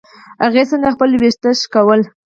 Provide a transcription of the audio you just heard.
هغې څنګه خپل ويښته شکول.